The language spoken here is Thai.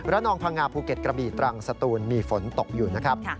นองพังงาภูเก็ตกระบี่ตรังสตูนมีฝนตกอยู่นะครับ